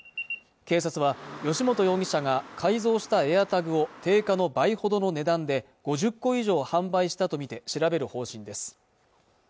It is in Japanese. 警察は由元容疑者が改造したＡｉｒＴａｇを定価の倍ほどの値段で５０個以上販売したとみて調べる方針です